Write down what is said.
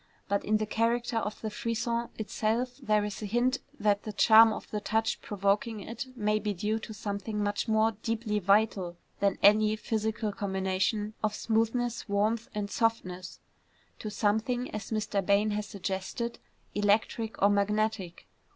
But in the character of the frisson itself there is a hint that the charm of the touch provoking it may be due to something much more deeply vital than any physical combination of smoothness, warmth and softness, to something, as Mr. Bain has suggested, electric or magnetic.